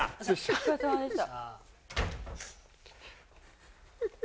お疲れさまでした。